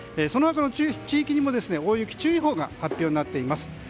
その他の地域にも大雪注意報が発表になっています。